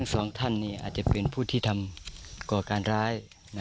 สองท่านอาจจะเป็นผู้ที่ทำก่อการร้าย